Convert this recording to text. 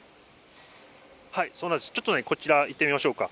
そうなんです、ちょっとね、こちら行ってみましょうか。